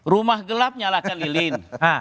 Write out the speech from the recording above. rumah gelap nyalakan lilin